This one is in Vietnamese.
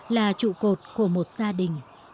là trụ cột của một gia đình